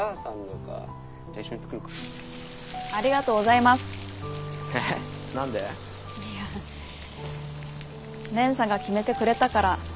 いや蓮さんが決めてくれたから。